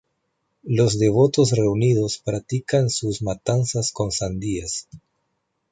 Los devotos reunidos practican sus matanzas con sandías.